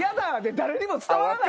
誰にも伝わらない。